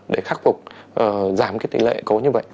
để khắc phục giảm cái tỷ lệ có như vậy